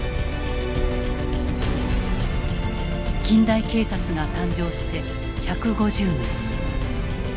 近代警察が誕生して１５０年。